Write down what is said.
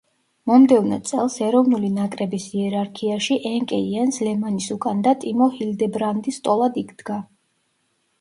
მომდევნო წელს ეროვნული ნაკრების იერარქიაში ენკე იენს ლემანის უკან და ტიმო ჰილდებრანდის ტოლად იდგა.